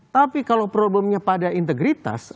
tapi kalau problemnya pada integritas